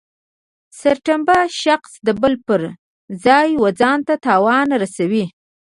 سرټنبه شخص د بل پر ځای و ځانته تاوان رسوي.